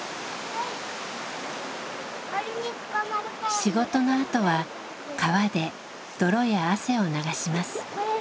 仕事のあとは川で泥や汗を流します。